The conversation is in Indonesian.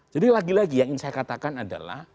jadi lagi lagi yang ingin saya katakan adalah